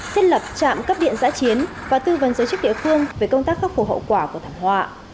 thiết lập trạm cấp điện giã chiến và tư vấn giới chức địa phương về công tác khắc phục hậu quả của thảm họa